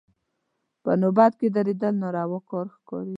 په نوبت کې درېدل ناروا کار ښکاري.